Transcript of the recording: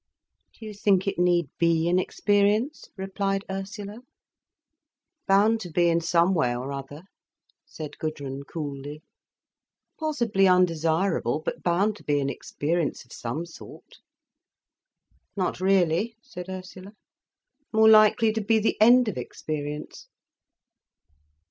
"Do you think it need be an experience?" replied Ursula. "Bound to be, in some way or other," said Gudrun, coolly. "Possibly undesirable, but bound to be an experience of some sort." "Not really," said Ursula. "More likely to be the end of experience."